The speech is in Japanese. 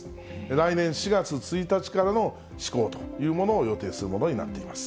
来年４月１日からの施行というものを予定するものになっています。